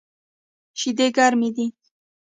شیدې ګرمی دی